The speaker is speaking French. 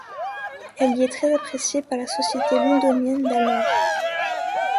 Elle y est très appréciée par la société londonienne d'alors.